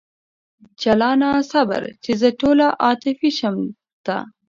جلانه صبر! چې زه ټوله عاطفي شم درته